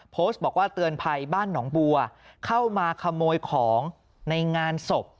โพสต์บอกว่าเตือนภัยบ้านหนองบัวเข้ามาขโมยของในงานศพ